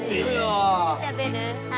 はい。